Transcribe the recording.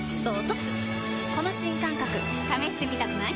この新感覚試してみたくない？